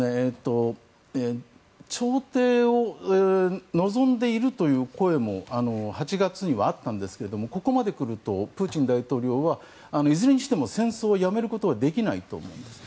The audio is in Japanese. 調停を望んでいるという声も８月にはあったんですけどここまでくるとプーチン大統領はいずれにしても戦争をやめることはできないと思うんです。